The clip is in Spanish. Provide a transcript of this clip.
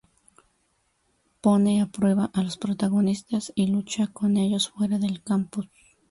Pone a prueba a los protagonistas y lucha con ellos fuera del campus.